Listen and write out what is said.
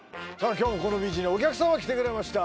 今日もこのビーチにお客様来てくれました